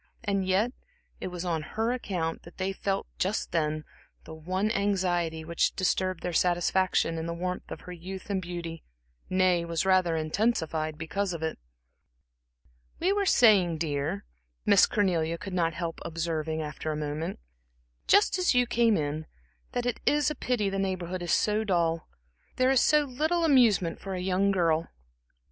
And yet, it was on her account that they felt just then the one anxiety which disturbed their satisfaction in the warmth of her youth and beauty, nay, was rather intensified because of it. "We were saying, dear," Miss Cornelia could not help observing after a moment "just as you came in, that it is a pity the Neighborhood is so dull. There is so little amusement for a young girl."